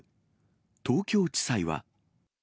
東京地裁は。